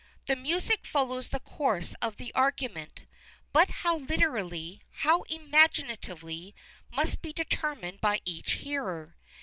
The music follows the course of the argument, but how literally, how imaginatively, must be determined by each hearer.